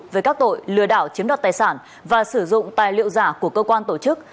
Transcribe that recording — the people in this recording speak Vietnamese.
về các tội lừa đảo chiếm đoạt tài sản và sử dụng tài liệu giả của cơ quan tổ chức